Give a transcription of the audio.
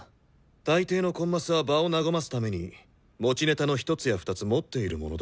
大抵のコンマスは場を和ますために持ちネタの１つや２つ持っているものだ。